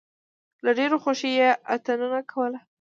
له ډېرې خوښۍ یې اتڼونه کول.